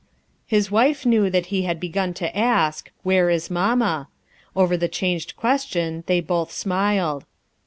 His wife knew that he had begun to ask: "Where is mamma?" Over the changed ques tion they both smiled.